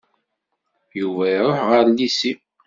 Yuba iruḥ ɣer llisi.